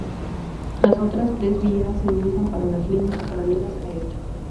Las otras tres vías se usan para las líneas paralelas a esta.